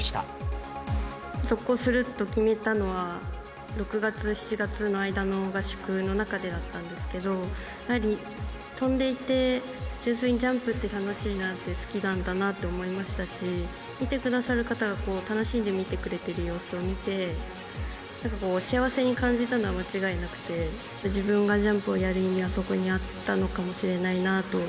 大会直後は一時、進退について悩んだといいますが、現役続行を決続行すると決めたのは、６月、７月の間の合宿の中でだったんですけど、やはり飛んでいて、純粋にジャンプって楽しいな、好きなんだなって思いましたし、見てくださる方が、楽しんで見ていてくれてる様子を見て、なんかこう、幸せに感じたのは間違いなくて、自分がジャンプをやる意味は、そこにあったのかもしれないなと。